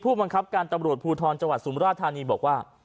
ผู้บังคับการตำรวจภูทรจสูมราษฎานีบอกว่า